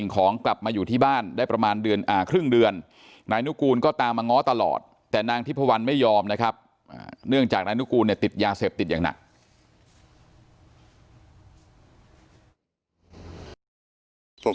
ของกลับมาอยู่ที่บ้านได้ประมาณครึ่งเดือนนายนุกูลก็ตามมาง้อตลอดแต่นางทิพวันไม่ยอมนะครับเนื่องจากนายนุกูลเนี่ยติดยาเสพติดอย่างหนัก